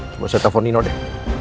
cuma saya telfon nino deh